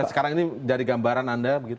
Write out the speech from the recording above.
sekarang ini dari gambaran anda